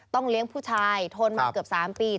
เลี้ยงผู้ชายทนมาเกือบ๓ปี